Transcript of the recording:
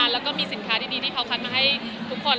แล้วก็มีสินค้าดีที่เขาคัดมาให้ทุกคน